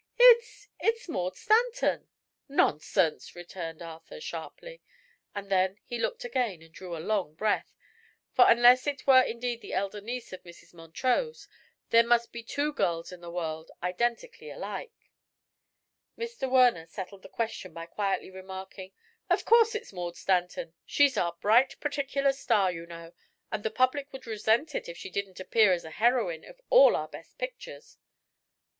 "It's it's Maud Stanton!" "Nonsense!" returned Arthur, sharply; and then he looked again and drew a long breath; for unless it were indeed the elder niece of Mrs. Montrose, there must be two girls in the world identically alike. Mr. Werner settled the question by quietly remarking: "Of course it's Maud Stanton. She's our bright, particular star, you know, and the public would resent it if she didn't appear as the heroine of all our best pictures."